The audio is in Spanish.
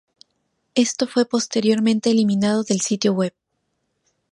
Esto fue posteriormente eliminado del sitio web.